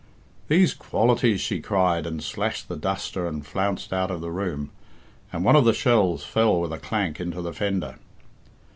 'These qualities!' she cried, and slashed the duster and flounced out of the room, and one of the shells fell with a clank into the fender.